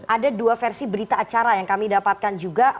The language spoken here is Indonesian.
ada dua versi berita acara yang kami dapatkan juga